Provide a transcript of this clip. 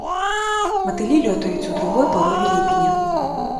Матылі лётаюць у другой палове ліпеня.